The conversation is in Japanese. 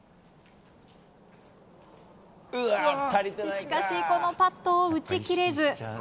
しかしこのパットを打ち切れず。